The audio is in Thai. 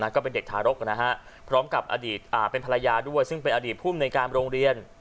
ก็เป็นเด็กทารกพร้อมกับอดีตเป็นภรรยาด้วยซึ่งเป็นอดีตภูมิในการโรงเรียน